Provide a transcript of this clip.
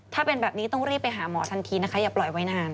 ถ้าเป็นแบบนี้ต้องรีบไปหาหมอทันทีนะคะอย่าปล่อยไว้นาน